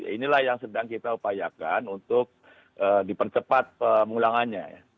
inilah yang sedang kita upayakan untuk dipercepat pemulangannya